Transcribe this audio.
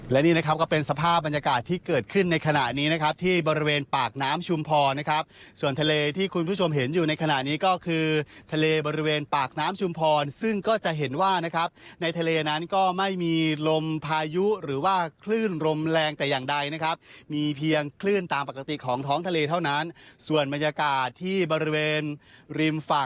และนี่นะครับก็เป็นสภาพบรรยากาศที่เกิดขึ้นในขณะนี้นะครับที่บริเวณปากน้ำชุมพรนะครับส่วนทะเลที่คุณผู้ชมเห็นอยู่ในขณะนี้ก็คือทะเลบริเวณปากน้ำชุมพรซึ่งก็จะเห็นว่านะครับในทะเลนั้นก็ไม่มีลมพายุหรือว่าคลื่นลมแรงแต่อย่างใดนะครับมีเพียงคลื่นตามปกติของท้องทะเลเท่านั้นส่วนบรรยากาศที่บริเวณริมฝั่ง